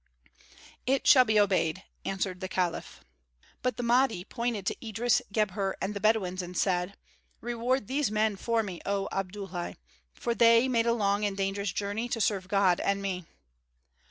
"It shall be obeyed," answered the caliph. But the Mahdi pointed to Idris, Gebhr, and the Bedouins and said: "Reward these men for me, oh Abdullahi, for they made a long and dangerous journey to serve God and me."